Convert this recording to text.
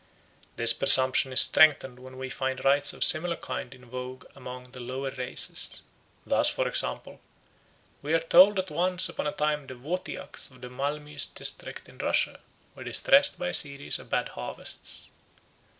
This presumption is strengthened when we find rites of a similar kind in vogue among the lower races. Thus, for example, we are told that once upon a time the Wotyaks of the Malmyz district in Russia were distressed by a series of bad harvests.